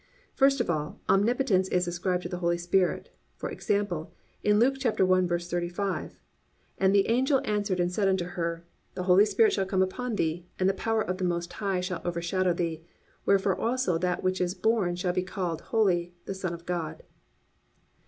(1) First of all, omnipotence is ascribed to the Holy Spirit, for example, in Luke 1:35: +"And the angel answered and said unto her, the Holy Spirit shall come upon thee, and the power of the most high shall overshadow thee: wherefore also that which is to be born shall be called holy, the Son of God."